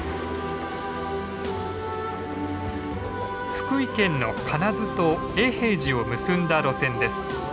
福井県の金津と永平寺を結んだ路線です。